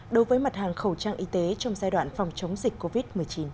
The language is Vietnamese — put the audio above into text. đối với mặt hàng khẩu trang y tế trong giai đoạn phòng chống dịch covid một mươi chín